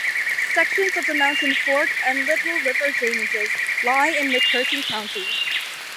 Sections of the Mountain Fork and Little River drainages lie in McCurtain county.